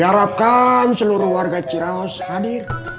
harapkan seluruh warga ciraus hadir